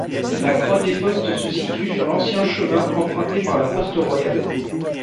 La croix des Postes se situe sur l’ancien chemin emprunté par la poste royale.